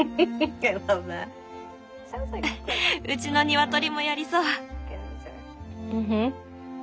うちのニワトリもやりそう。